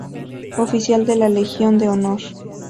Oficial de la Legión de Honor.